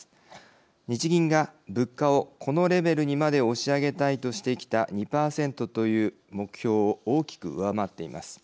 日銀が物価をこのレベルにまで押し上げたいとしてきた２％という目標を大きく上回っています。